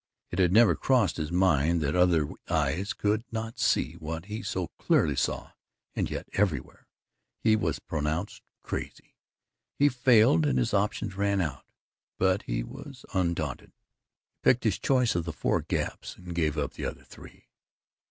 It had never crossed his mind that other eyes could not see what he so clearly saw and yet everywhere he was pronounced crazy. He failed and his options ran out, but he was undaunted. He picked his choice of the four gaps and gave up the other three.